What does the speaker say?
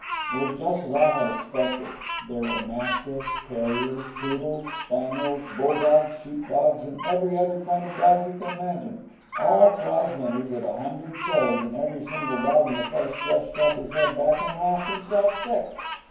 It was just as I had expected. There were mastiffs, terriers, poodles, spaniels, bulldogs, sheepdogs, and every other kind of dog you can imagine, all prize winners at a hundred shows, and every single dog in the place just shoved his head back and laughed himself sick.